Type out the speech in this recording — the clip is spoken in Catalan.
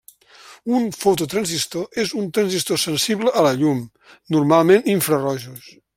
Un fototransistor és un transistor sensible a la llum, normalment infrarojos.